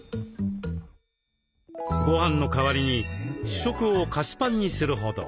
ごはんの代わりに主食を菓子パンにするほど。